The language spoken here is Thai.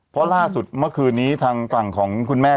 เพราะล่าสุดเมื่อคืนนี้ทางฝั่งของคุณแม่